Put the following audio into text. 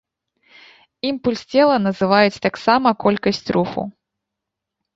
Імпульс цела называюць таксама колькасць руху.